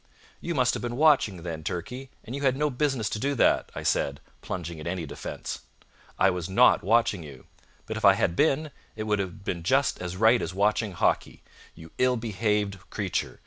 "You must have been watching, then, Turkey, and you had no business to do that," I said, plunging at any defence. "I was not watching you. But if I had been, it would have been just as right as watching Hawkie. You ill behaved creature!